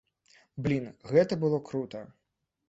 Блін, гэта было крута.